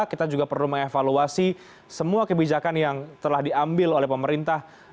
kita juga perlu mengevaluasi semua kebijakan yang telah diambil oleh pemerintah